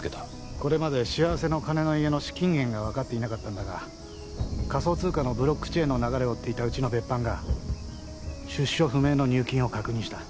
これまでしあわせの鐘の家の資金源がわかっていなかったんだが仮想通貨のブロックチェーンの流れを追っていたうちの別班が出所不明の入金を確認した。